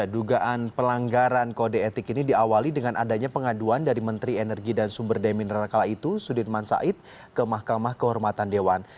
dugaan pelanggaran kode etik ini diawali dengan adanya pengaduan dari menteri energi dan sumber demi nerakala itu sudirman said ke mahkamah kehormatan dewan